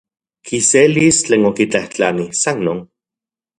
Kiselis tlen okitlajtlani, san non.